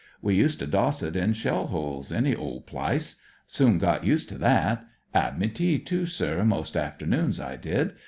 We used to doss it in shell holes ; any ole plice. Soon get used to that. 'Ad me tea, too, most artemoons, I did.